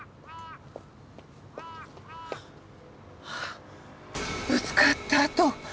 あっぶつかった跡！